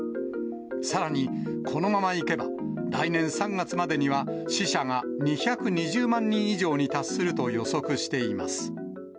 さらに、このままいけば、来年３月までには死者が２２０万人以上に達すると予測しています。